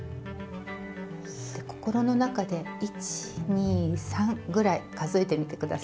心の中で１２３ぐらい数えてみて下さい。